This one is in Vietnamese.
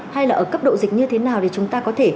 hay là ở cấp độ dịch như thế nào